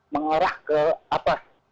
mengarah ke atas